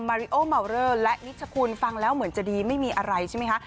ริโอเมาเลอร์และนิชคุณฟังแล้วเหมือนจะดีไม่มีอะไรใช่ไหมคะ